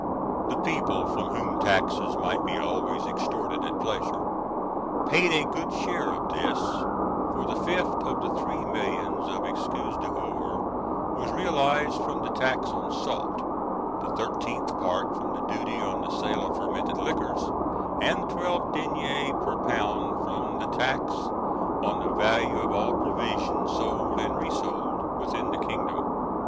The people, from whom taxes might be always extorted at pleasure, paid a good share of this, for the fifth of the three millions of écus d'or was realised from the tax on salt, the thirteenth part from the duty on the sale of fermented liquors, and twelve deniers per pound from the tax on the value of all provisions sold and resold within the kingdom.